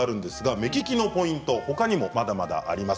目利きのポイントまだまだあります。